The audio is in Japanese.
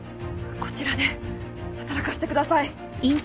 こちらで働かせてください。